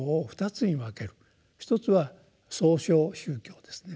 一つは「創唱宗教」ですね。